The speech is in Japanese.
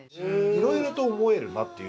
いろいろと思えるなっていう。